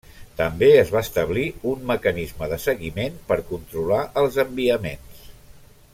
També es va establir un mecanisme de seguiment per controlar els enviaments.